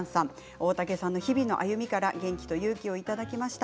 大竹さんの日々の歩みから勇気と元気をいただきました。。